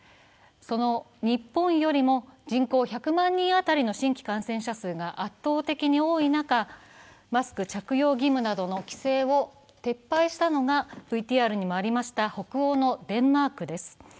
その日本よりも人口１００万人当たりの新規感染者数が圧倒的に多い中、マスク着用義務などの規制を撤廃したのが北欧のデンマークです。